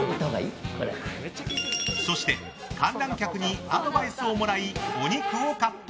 そして観覧客にアドバイスをもらいお肉をカット。